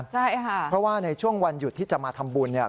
เพราะว่าในช่วงวันหยุดที่จะมาทำบุญ